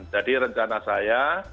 jadi rencana saya